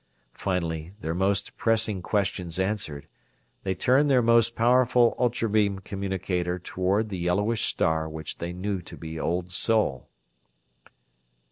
Finally, their most pressing questions answered, they turned their most powerful ultra beam communicator toward the yellowish star which they knew to be Old Sol.